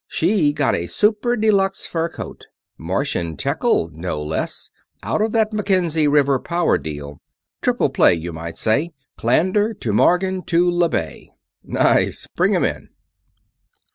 She got a super deluxe fur coat Martian tekkyl, no less out of that Mackenzie River power deal. Triple play, you might say Clander to Morgan to le Bay." "Nice. Bring him in."